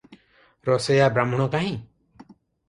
ରୋଷେଇଆ ବାହ୍ମୁଣ କାହିଁ?